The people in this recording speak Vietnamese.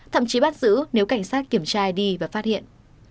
thậm chí bắt giữ nếu cảnh sát kiểm tra đi và phát hiện